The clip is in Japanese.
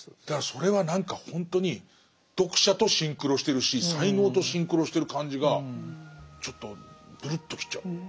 だからそれは何かほんとに読者とシンクロしてるし才能とシンクロしてる感じがちょっとブルッときちゃう。